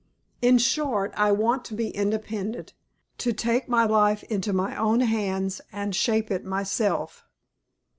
In short, I want to be independent, to take my life into my own hands and shape it myself."